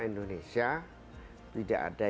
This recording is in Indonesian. indonesia tidak ada